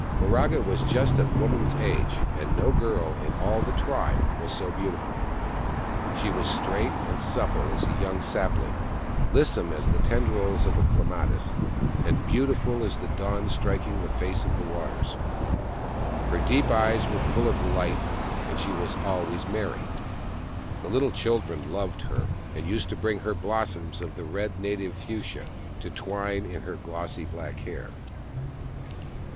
Miraga was just of woman's age, and no girl in all the tribe was so beautiful. She was straight and supple as a young sapling, lissom as the tendrils of the clematis, and beautiful as the da\Mi striking on the face of the waters. Her deep eyes were full of light, and she was always merry. The little children loved her, and used to bring her blossoms of the red native fuchsia, to twine in her glossy black hair.